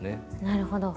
なるほど。